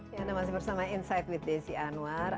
ya masih bersama insight with tsi anwar